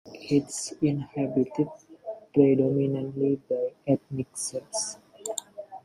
It is inhabited predominantly by ethnic Serbs.